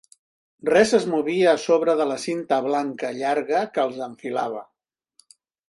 Res es movia a sobre de la cinta blanca llarga que els enfilava.